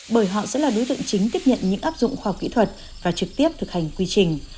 bởi họ sẽ là đối tượng chính tiếp nhận những áp dụng khoa học kỹ thuật và trực tiếp thực hành quy trình